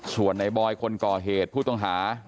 ส่วนในบอยคนก่อเหตุผู้ต้องหา